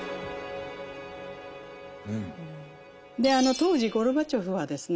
当時ゴルバチョフはですね